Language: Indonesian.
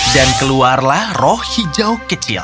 dan keluarlah roh hijau kecil